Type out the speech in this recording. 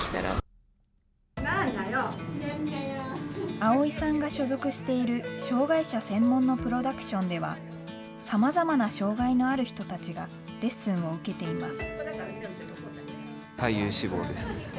葵さんが所属している障害者専門のプロダクションでは、さまざまな障害のある人たちがレッスンを受けています。